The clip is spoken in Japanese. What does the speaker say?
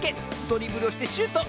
ドリブルをしてシュート！